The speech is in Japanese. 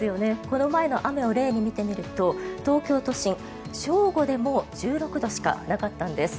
この前の雨を例に見てみると東京都心、正午でも１６度しかなかったんです。